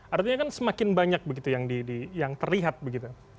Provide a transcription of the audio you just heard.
artinya kan semakin banyak begitu yang terlihat begitu